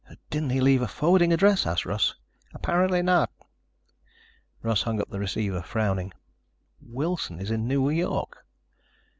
"Didn't he leave a forwarding address?" asked Russ. "Apparently not." Russ hung up the receiver, frowning. "Wilson is in New York."